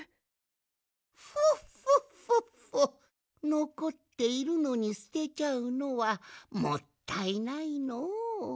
のこっているのにすてちゃうのはもったいないのう。